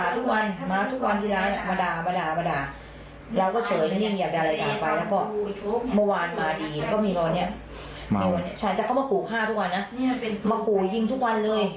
ทุกวันเลย